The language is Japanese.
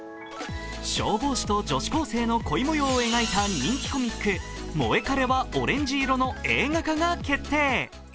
消防士と女子高生の恋もようを描いた人気コミック「モエカレはオレンジ色」の映画化が決定。